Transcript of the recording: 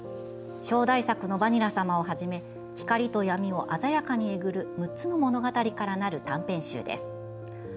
表題作の「ばにらさま」をはじめ光と闇を鮮やかにえぐる６つの物語からなる短編集です。